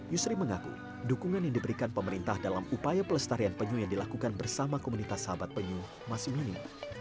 yusri mengaku dukungan yang diberikan pemerintah dalam upaya pelestarian penyu yang dilakukan bersama komunitas sahabat penyu masih minim